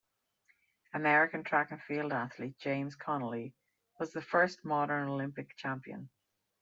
American track and field athlete James Connolly was the first modern Olympic champion.